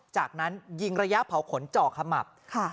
จากนั้นยิงระยะเผาขนเจาะขมับ